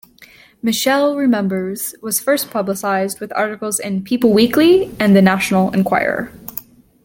"Michelle Remembers" was first publicized with articles in "People Weekly" and the "National Enquirer".